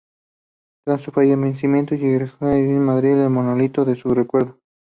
Tras su fallecimiento llegó a erigirse en Madrid un monolito en su recuerdo.